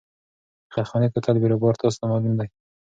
د خیرخانې کوتل بیروبار تاسو ته معلوم دی.